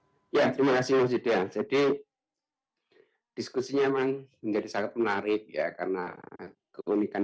ya terima kasih mas yuda jadi diskusinya memang menjadi sangat menarik ya karena keunikan